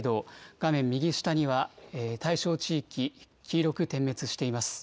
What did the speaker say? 画面右下には、対象地域、黄色く点滅しています。